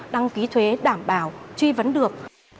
đăng ký thuế đảm bảo truy vấn được